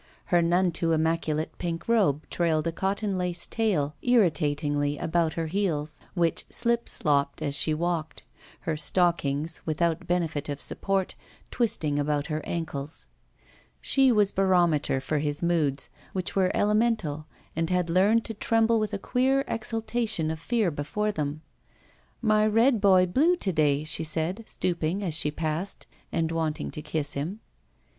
Her none too 37a ROULETTE immactdate pink robe trailed a cotton lace tail irritatingly about her heels, which slip slopped as she walked, her stockings, without benefit of support, twisting about her ankles. She was barometer for his moods, which were elemental, and had learned to tremble with a queer exaltation of fear before them, "My Red boy blue to day," she said, stooping as she passed and wanting to kiss him.